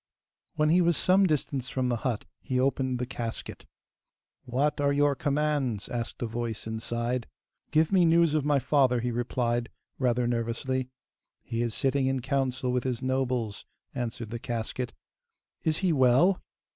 When he was some distance from the hut, he opened the casket. 'What are your commands?' asked a voice inside. 'Give me news of my father,' he replied, rather nervously. 'He is sitting in council with his nobles,' answered the casket. 'Is he well?